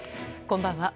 こんばんは。